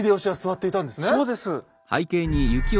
そうです。